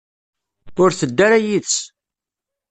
Ur tedda ara yid-s.